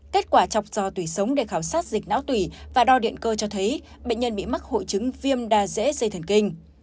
kết quả chọc do tủy sống để khảo sát dịch não tủy và đo điện cơ cho thấy bệnh nhân bị mắc hội chứng viêm đa dễ dây thần kinh